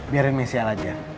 biarin nih si al aja